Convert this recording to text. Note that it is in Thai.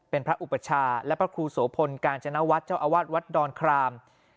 เป็นพระอุปชาและพระครูโสพลกาญจนวัฒน์เจ้าอาวาสวัดดอนคราม